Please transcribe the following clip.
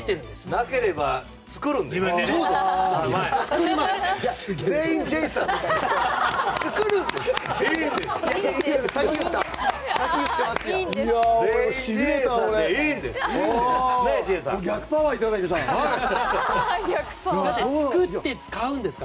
なければ作るんです。